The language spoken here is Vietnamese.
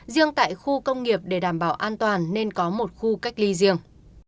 riêng tại khu công nghiệp để đảm bảo an toàn nên có một khu cách ly riêng